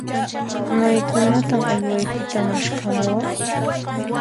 Maykunantan uywaykita maskhamuwaq?